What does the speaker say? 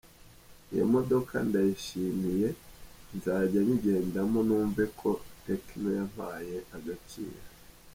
Iyi modoka ndayishimiye nzajya nyigendamo numve ko Tecno yampaye agaciro.